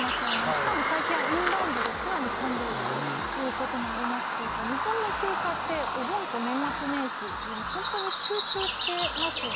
しかも最近はインバウンドで、さらに混んでいるということもありますので、日本の休暇って、お盆と年末年始に本当に集中してますよね。